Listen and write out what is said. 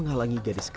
tahlilan itu biasa